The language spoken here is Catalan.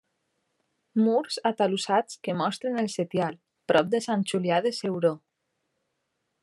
Murs atalussats que mostren el setial, prop de Sant Julià de Ceuró.